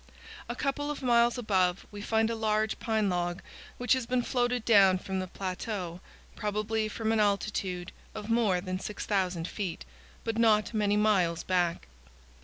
A couple of miles above we find a large pine log, which has been floated down from the plateau, probably from an altitude of more than 6,000 feet, but not many miles back.